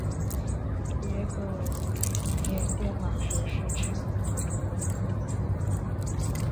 野狗与缅甸蟒蛇是赤麂的主要天敌。